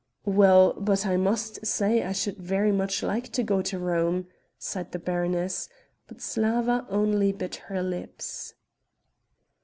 "Well, but I must say I should very much like to go to Rome," sighed the baroness; but Slawa only bit her lips.